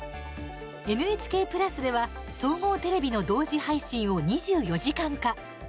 ＮＨＫプラスでは、総合テレビの同時配信を２４時間化。